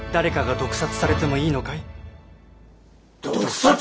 毒殺！？